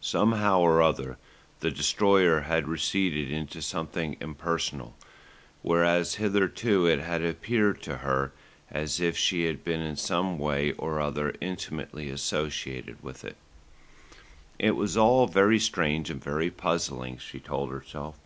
Somehow or other the Destroyer had receded into something impersonal, whereas hitherto it had appeared to her as if she had been in some way or other intimately associated with it. It was all very strange and very puzzling, she told herself.